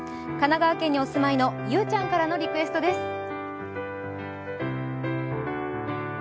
神奈川県にお住まいのゆうちゃんからのリクエストです。